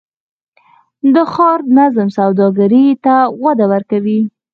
د ښار نظم سوداګرۍ ته وده ورکوي؟